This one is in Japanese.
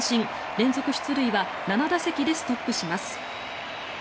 連続出塁は７打席でストップします。